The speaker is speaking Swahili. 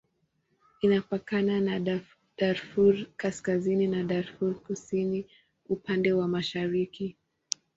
Inapakana na Darfur Kaskazini na Darfur Kusini upande wa mashariki.